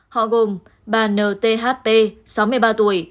họ gồm bà nthp sáu mươi ba tuổi